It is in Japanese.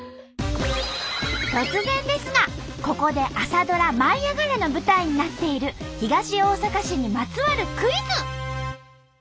突然ですがここで朝ドラ「舞いあがれ！」の舞台になっている東大阪市にまつわるクイズ！